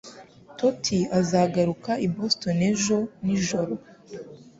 Totti azagaruka i Boston ejo nijoro.